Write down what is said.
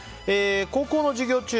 高校の授業中